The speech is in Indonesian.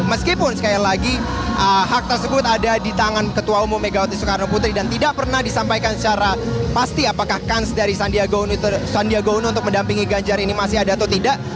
meskipun sekali lagi hak tersebut ada di tangan ketua umum megawati soekarno putri dan tidak pernah disampaikan secara pasti apakah kans dari sandiaga uno untuk mendampingi ganjar ini masih ada atau tidak